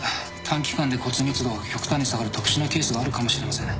短期間で骨密度が極端に下がる特殊なケースがあるかもしれません。